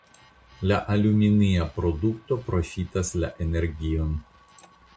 La aluminia produkto profitas la energion.